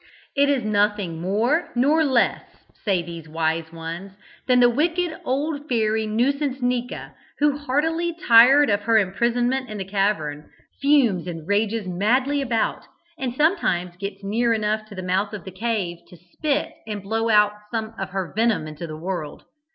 It is nothing more nor less (say these wise ones) than the wicked old Fairy Nuisancenika, who, heartily tired of her imprisonment in the cavern, fumes and rages madly about, and sometimes gets near enough to the mouth of the cave to spit and blow out some of her venom into the world.